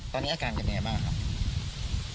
ตอนนี้อาการแก่แนนบ้างหรือครับ